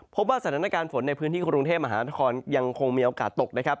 พบว่าสถานการณ์ฝนในพื้นที่กรุงเทพมหานครยังคงมีโอกาสตกนะครับ